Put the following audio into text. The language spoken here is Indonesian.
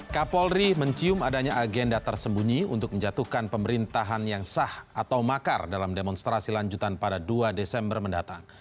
kapolri mencium adanya agenda tersembunyi untuk menjatuhkan pemerintahan yang sah atau makar dalam demonstrasi lanjutan pada dua desember mendatang